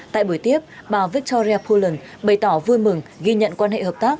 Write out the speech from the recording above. tại buổi tiếp bà victoria pullen bày tỏ vui mừng ghi nhận quan hệ hợp tác